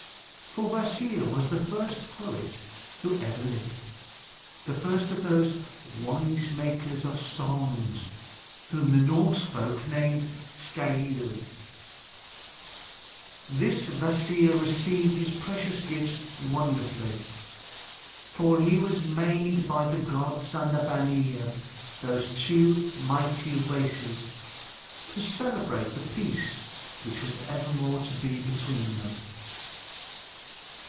For Kvasir was the first poet who ever lived, the first of those wise makers of songs whom the Norse folk named skalds. This Kvasir received his precious gifts wonderfully; for he was made by the gods and the Vanir, those two mighty races, to celebrate the peace which was evermore to be between them.